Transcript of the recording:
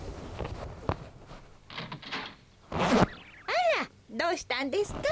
あらどうしたんですか？